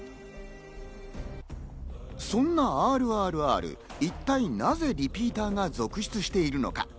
そんな『ＲＲＲ』、一体なぜリピーターが続出しているのか？